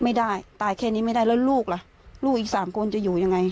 ไม่ได้ตายแค่นี้ไม่ได้แล้วลูกล่ะลูกอีกสามคนจะอยู่ยังไง